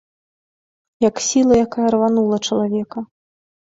Як сіла якая рванула чалавека.